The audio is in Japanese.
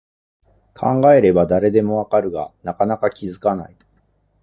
考えれば誰でもわかるが、なかなか気づかない